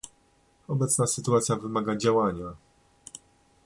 Obecna sytuacja wymaga działania